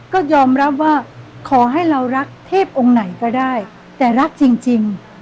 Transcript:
ก็ยอมรับว่าขอให้เรารักเทพองค์ไหนก็ได้แต่รักจริง